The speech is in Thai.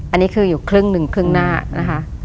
อันนี้คืออยู่ครึ่งหนึ่งครึ่งหน้านะคะ